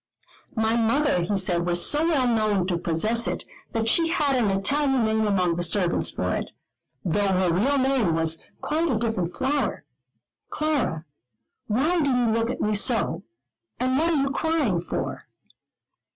My mother, he said, was so well known to possess it, that she had an Italian name among the servants for it; though her real name was quite a different flower. Clara, why do you look at me so? And what are you crying for?"